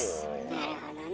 なるほどね。